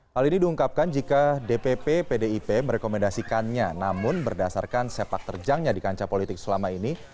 hal ini diungkapkan jika dpp pdip merekomendasikannya namun berdasarkan sepak terjangnya di kancah politik selama ini